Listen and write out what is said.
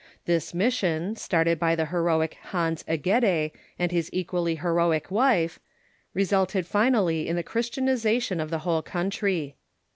This mission, started b}^ the heroic Hans Egede and his equally heroic wife, resulted finally in the Chris tianization of the whole country.